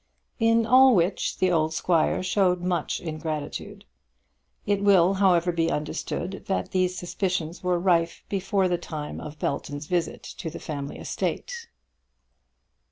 In all which the old squire showed much ingratitude. It will, however, be understood that these suspicions were rife before the time of Belton's visit to the family estate.